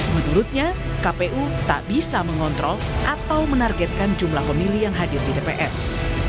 menurutnya kpu tak bisa mengontrol atau menargetkan jumlah pemilih yang hadir di tps